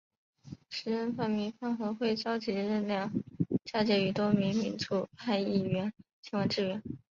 时任泛民饭盒会召集人梁家杰与多名民主派议员前往支援。